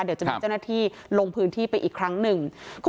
เดี๋ยวจะมีเจ้าหน้าที่ลงพื้นที่ไปอีกครั้งหนึ่ง